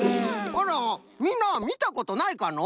あらみんなみたことないかの？